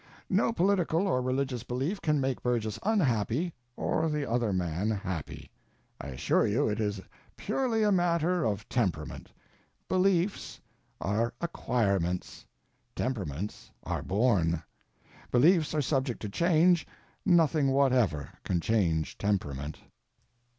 No political or religious belief can make Burgess unhappy or the other man happy. I assure you it is purely a matter of temperament. Beliefs are acquirements, temperaments are born; beliefs are subject to change, nothing whatever can change temperament.